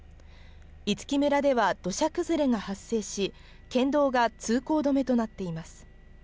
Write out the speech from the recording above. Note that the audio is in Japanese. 五木村では土砂崩れが発生し、県道が通行止めとなっています。